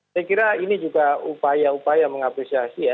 saya kira ini juga upaya upaya mengapresiasi ya